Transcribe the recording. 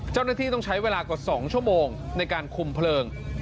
เจ้าหน้าที่ต้องใช้เวลากว่า๒ชั่วโมงในการคุมเพลิง